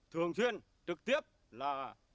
thường xuyên trực tiếp là